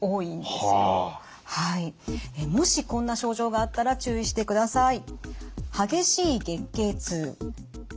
もしこんな症状があったら注意してください。